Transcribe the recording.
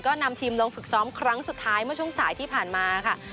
ก็นำทีมลงฝึกซ้อมครั้งสุดท้ายเมื่อช่วงสายที่ผ่านมาค่ะ